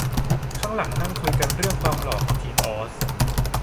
ข้างหลังนั่งคุยกันเรื่องความหล่อของทีมออส